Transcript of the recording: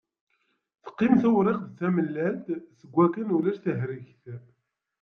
Teqqim tewriqt d tamellalt, seg akken ulac tahregt.